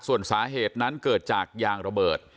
ส่วนสาเหตุนั้นเกิดจากยางระเบิด